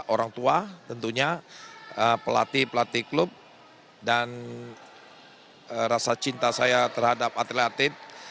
orang tua tentunya pelatih pelatih klub dan rasa cinta saya terhadap atlet atlet